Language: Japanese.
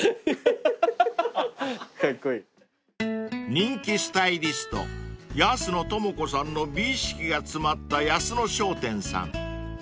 ［人気スタイリスト安野ともこさんの美意識が詰まった安野商店さん］